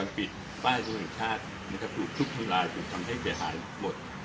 รถราชการก็งุลกรรมปิดใบมือของชาติจุดทำลายทำให้เสียหายหมด